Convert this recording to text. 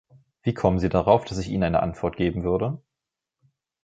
Wie kommen Sie darauf, dass ich Ihnen eine Antwort geben würde?